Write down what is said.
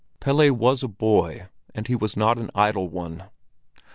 Pelle was a boy, and he was not an idle one.